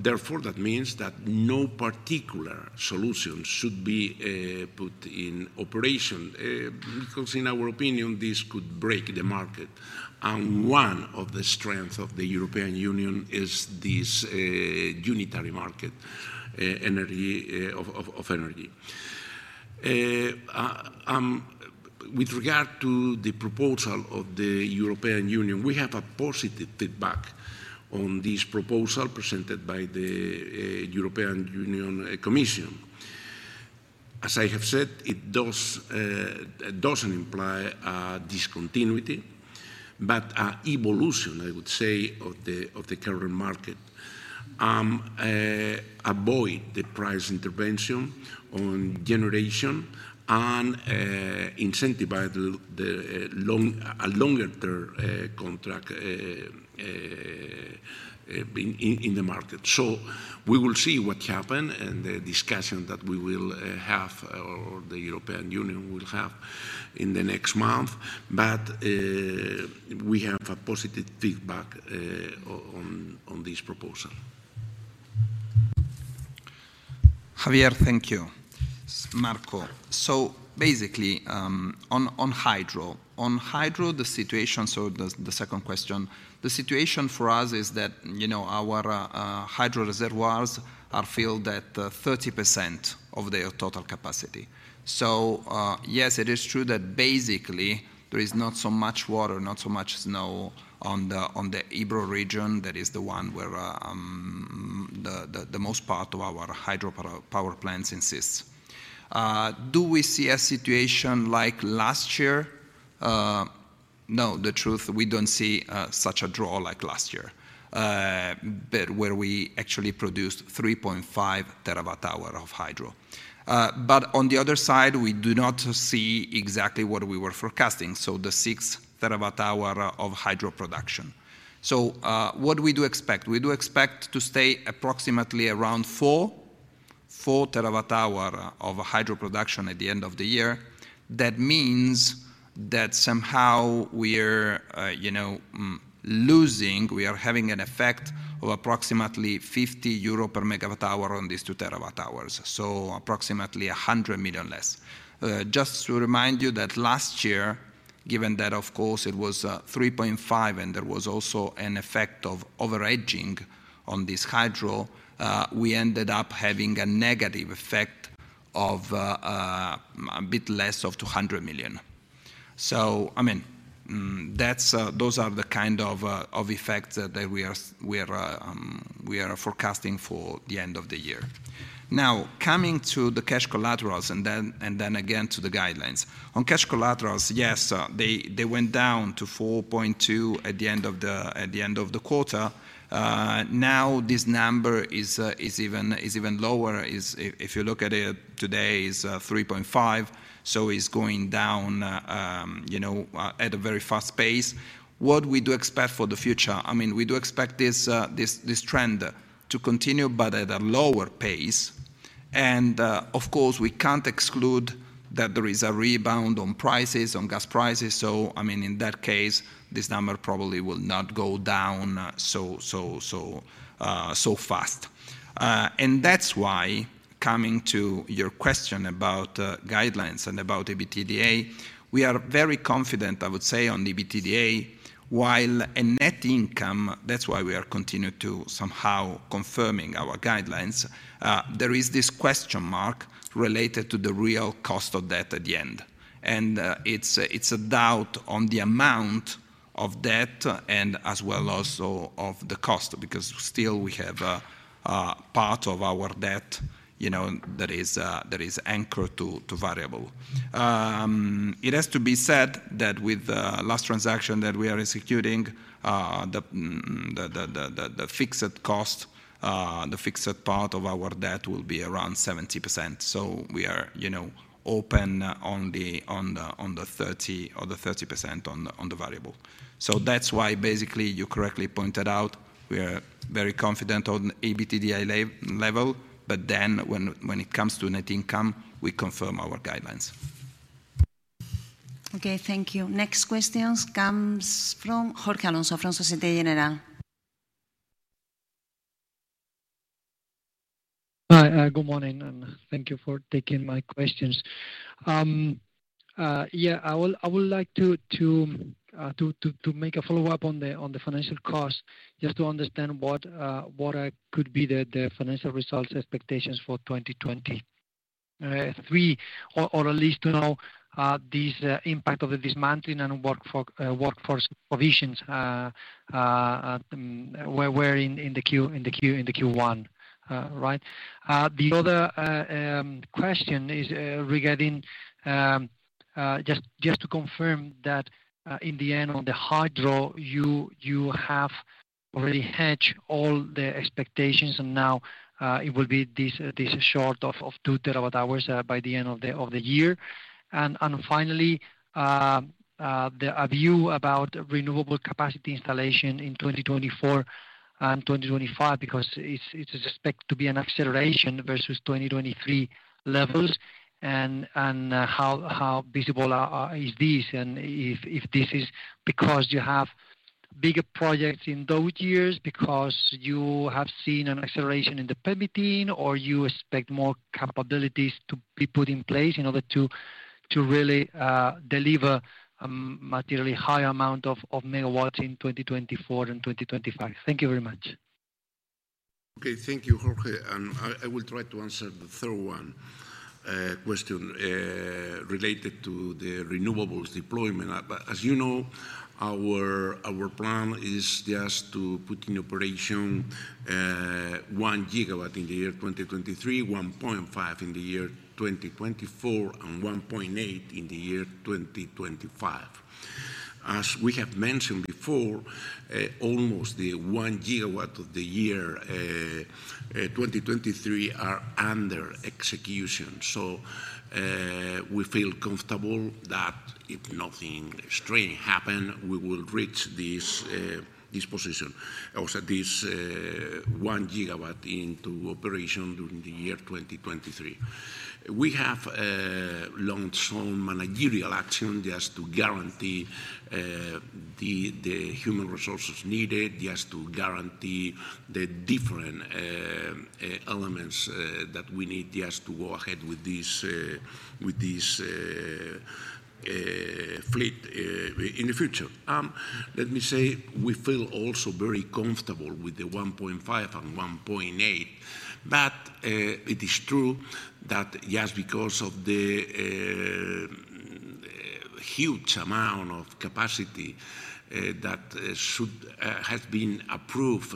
That means that no particular solution should be put in operation, because in our opinion, this could break the market. One of the strengths of the European Union is this unitary market, energy, of energy. With regard to the proposal of the European Union, we have a positive feedback on this proposal presented by the European Commission. As I have said, it doesn't imply a discontinuity, but an evolution, I would say, of the current market. Avoid the price intervention on generation and incentivize a longer-term contract in the market. We will see what happens and the discussion that we will have or the European Union will have in the next month. We have a positive feedback on this proposal. Javier, thank you. Marco. Basically, on hydro. On hydro, the situation, the second question, the situation for us is that, you know, our hydro reservoirs are filled at 30% of their total capacity. Yes, it is true that basically there is not so much water, not so much snow on the Ebro region, that is the one where the most part of our hydropower plants exists. Do we see a situation like last year? No. The truth, we don't see such a draw like last year, but where we actually produced 3.5 terawatt-hours of hydro. On the other side, we do not see exactly what we were forecasting, so the 6 terawatt-hours of hydro production. What we do expect? We do expect to stay approximately around 4 terawatt-hours of hydro production at the end of the year. That means that somehow we're, you know, losing, we are having an effect of approximately 50 euro per MWh on these 2 terawatt-hours, so approximately 100 million less. Just to remind you that last year, given that of course it was 3.5 billion and there was also an effect of over-hedging on this hydro, we ended up having a negative effect of a bit less of 200 million. I mean, that's those are the kind of effects that we are forecasting for the end of the year. Coming to the cash collaterals and then again to the guidelines. On cash collaterals, yes, they went down to 4.2 billion at the end of the quarter. Now this number is even lower. If you look at it today, it's 3.5 billion, so it's going down, you know, at a very fast pace. What we do expect for the future? I mean, we do expect this trend to continue, but at a lower pace. Of course, we can't exclude that there is a rebound on prices, on gas prices. I mean, in that case, this number probably will not go down so fast. That's why, coming to your question about guidelines and about EBITDA, we are very confident, I would say, on the EBITDA. While in net income, that's why we are continue to somehow confirming our guidelines, there is this question mark related to the real cost of debt at the end. It's, it's a doubt on the amount of debt and as well also of the cost, because still we have a part of our debt, you know, that is that is anchored to variable. It has to be said that with the last transaction that we are executing, the fixed cost, the fixed part of our debt will be around 70%. We are, you know, open on the 30% on the variable. That's why basically, you correctly pointed out, we are very confident on EBITDA level, when it comes to net income, we confirm our guidelines. Okay, thank you. Next questions comes from Jorge Alonso from Société Générale. Hi, good morning, and thank you for taking my questions. I would like to make a follow-up on the financial costs, just to understand what could be the financial results expectations for 2023, or at least to know this impact of the dismantling and workforce provisions were in Q1, right? The other question is regarding just to confirm that in the end on the hydro, you have already hedged all the expectations and now it will be this short of 2 terawatt-hours by the end of the year? Finally, a view about renewable capacity installation in 2024 and 2025, because it's expected to be an acceleration versus 2023 levels. How visible is this? If this is because you have bigger projects in those years, because you have seen an acceleration in the permitting, or you expect more capabilities to be put in place in order to really deliver a materially high amount of megawatts in 2024 and 2025. Thank you very much. Okay, thank you, Jorge. I will try to answer the third one question related to the renewables deployment. As you know, our plan is just to put in operation 1 GW in the year 2023, 1.5 GW in the year 2024, and 1.8 GW in the year 2025. As we have mentioned before, almost the 1 GW of the year 2023 are under execution. We feel comfortable that if nothing strange happen, we will reach this position or set this 1 GW into operation during the year 2023. We have launched some managerial action just to guarantee the human resources needed, just to guarantee the different elements that we need just to go ahead with this fleet in the future. Let me say, we feel also very comfortable with the 1.5 GW and 1.8 GW, but it is true that just because of the huge amount of capacity that should has been approved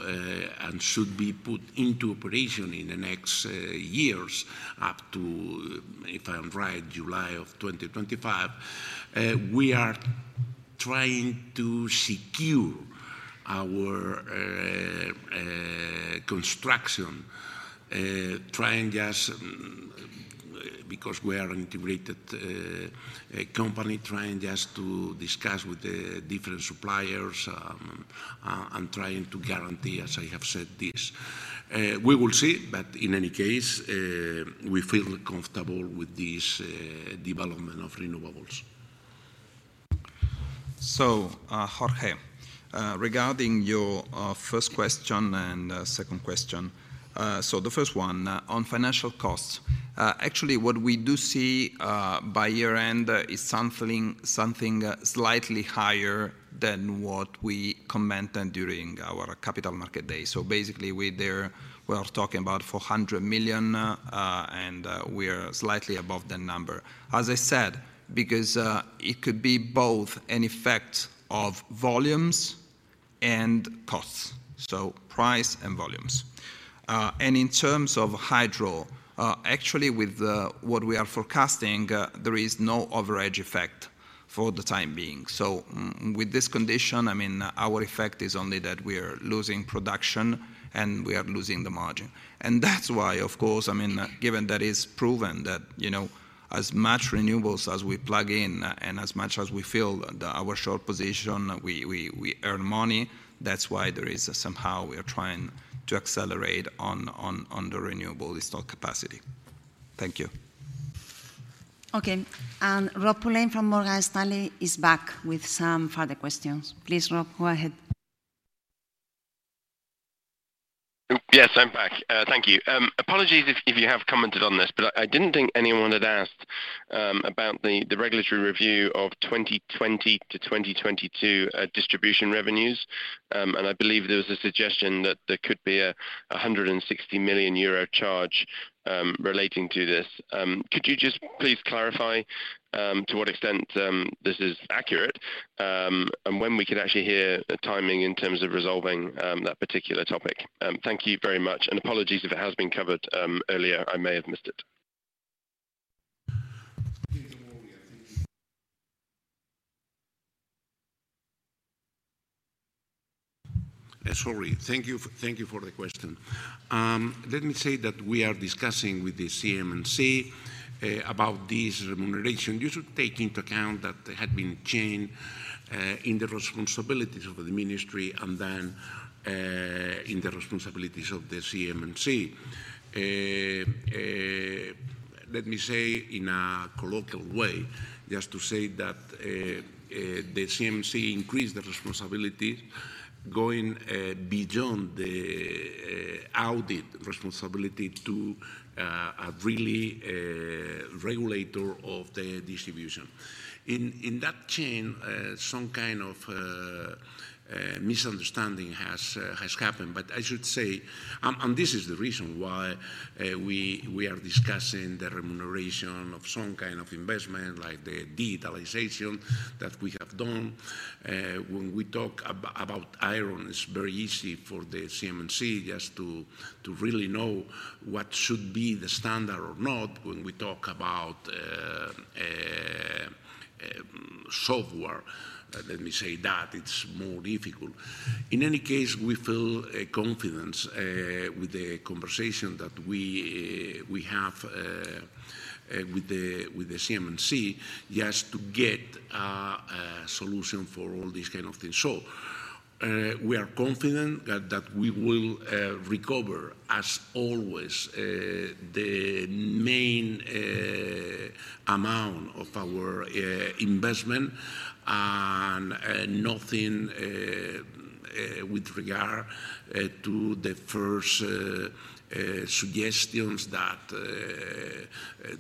and should be put into operation in the next years up to, if I'm right, July of 2025, we are trying to secure our construction, trying just because we are an integrated company, trying just to discuss with the different suppliers, and trying to guarantee, as I have said this. We will see, but in any case, we feel comfortable with this development of renewables. Jorge, regarding your first question and second question. The first one, on financial costs. Actually, what we do see by year-end is something slightly higher than what we commented during our Capital Markets Day. Basically, we're there, we are talking about 400 million, and we are slightly above that number. As I said, because it could be both an effect of volumes and costs, so price and volumes. And in terms of hydro, actually with what we are forecasting, there is no overage effect for the time being. With this condition, I mean, our effect is only that we are losing production and we are losing the margin. That's why, of course, I mean, given that it's proven that, you know, as much renewables as we plug in and as much as we fill our short position, we earn money. That's why there is somehow we are trying to accelerate on the renewable installed capacity. Thank you. Okay. Rob Pulleyn from Morgan Stanley is back with some further questions. Please, Rob, go ahead. Yes, I'm back. Thank you. Apologies if you have commented on this, but I didn't think anyone had asked about the regulatory review of 2020 to 2022 distribution revenues. I believe there was a suggestion that there could be a 160 million euro charge relating to this. Could you just please clarify to what extent this is accurate, and when we could actually hear a timing in terms of resolving that particular topic? Thank you very much and apologies if it has been covered earlier. I may have missed it. Sorry. Thank you, thank you for the question. Let me say that we are discussing with the CNMC about this remuneration. You should take into account that there had been change in the responsibilities of the ministry in the responsibilities of the CNMC. Let me say in a colloquial way, just to say that the CNMC increased the responsibilities going beyond the audit responsibility to a really regulator of the distribution. In that chain, some kind of misunderstanding has happened. I should say this is the reason why we are discussing the remuneration of some kind of investment, like the digitalization that we have done. When we talk about iron, it's very easy for the CNMC just to really know what should be the standard or not. When we talk about software, let me say that it's more difficult. In any case, we feel confidence with the conversation that we have with the CNMC just to get a solution for all these kind of things. We are confident that we will recover as always the main amount of our investment. Nothing with regard to the first suggestions that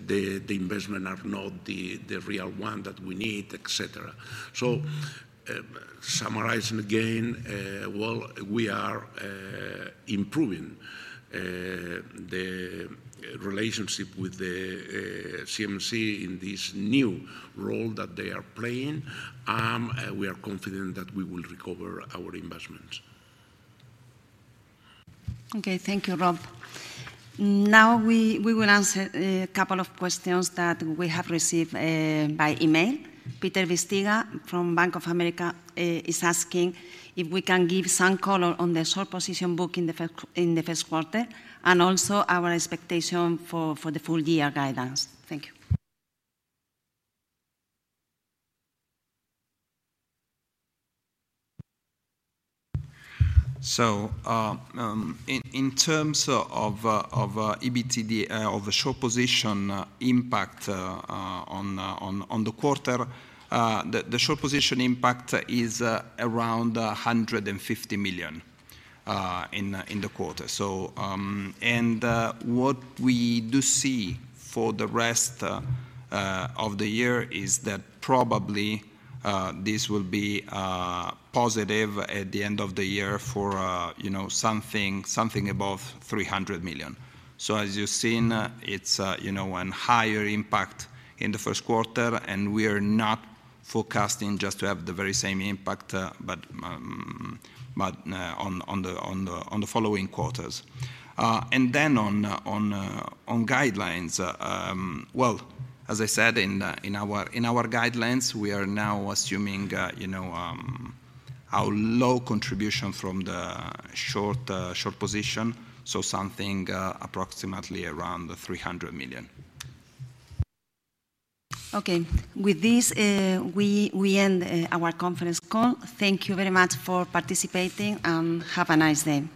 the investment are not the real one that we need, et cetera. Summarizing again, well, we are improving the relationship with the CNMC in this new role that they are playing, and we are confident that we will recover our investments. Okay, thank you, Rob. Now we will answer a couple of questions that we have received by email. Peter Bisztyga from Bank of America is asking if we can give some color on the short position book in the first quarter, and also our expectation for the full year guidance. Thank you. In terms of EBITDA of the short position impact on the quarter, the short position impact is around 150 million in the quarter. What we do see for the rest of the year is that probably this will be positive at the end of the year for, you know, something above 300 million. As you've seen, it's, you know, one higher impact in the first quarter, and we are not forecasting just to have the very same impact, but on the following quarters. On guidelines, well, as I said, in our, in our guidelines, we are now assuming, you know, our low contribution from the short position, so something approximately around 300 million. Okay. With this, we end our conference call. Thank you very much for participating, and have a nice day.